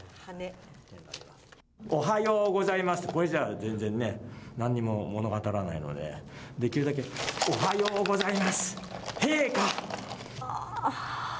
おはようございます、これじゃあ全然ね、なんにも物語らないので、できるだけ、おはようございます、陛下。